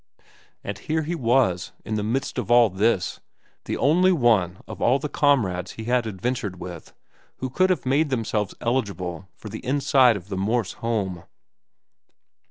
And here he was, in the midst of all this, the only one of all the comrades he had adventured with who could have made themselves eligible for the inside of the Morse home.